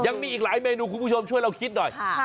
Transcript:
ยังมีอีกหลายเมนูคุณผู้ชมช่วยเราคิดหน่อย